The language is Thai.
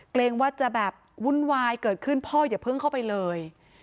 เกรงว่าจะแบบวุ่นวายเกิดขึ้นพ่ออย่าเพิ่งเข้าไปเลย